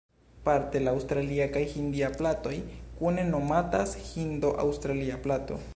Parte la aŭstralia kaj hindia platoj kune nomatas "hindo-aŭstralia plato".